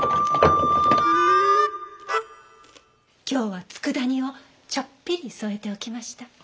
今日はつくだ煮をちょっぴり添えておきました。